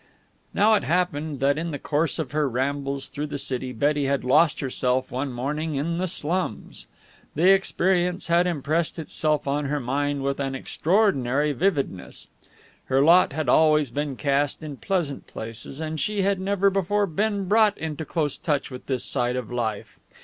Now it happened that in the course of her rambles through the city Betty had lost herself one morning in the slums. The experience had impressed itself on her mind with an extraordinary vividness. Her lot had always been cast in pleasant places, and she had never before been brought into close touch with this side of life.